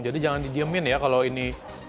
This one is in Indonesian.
jadi jangan didiemin ya kalau ini